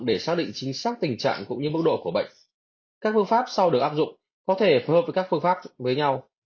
để xác định chính xác tình trạng cũng như mức độ của bệnh các phương pháp sau được áp dụng có thể phù hợp với các phương pháp với nhau